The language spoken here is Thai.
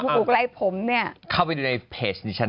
ปลูกอะไรปลูกผมเนี่ย